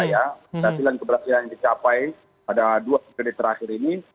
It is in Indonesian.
kedatilan kedatilan yang dicapai pada dua kredit terakhir ini